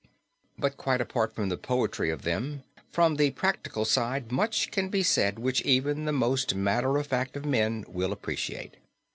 But quite apart from the poetry of them, from the practical side much can be said which even the most matter of fact of men will appreciate.